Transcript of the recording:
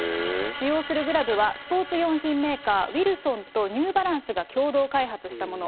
使用するグラブは、スポーツ用品メーカー、ウイルソンとニューバランスが共同開発したもの。